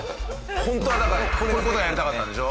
ホントはだからこういう事がやりたかったんでしょ？